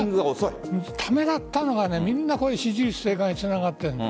ためらったのが、みんな支持率低下につながっている。